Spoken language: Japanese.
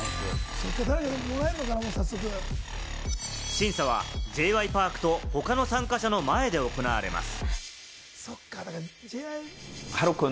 審査はＪ．Ｙ．Ｐａｒｋと他の参加者の前で行われます。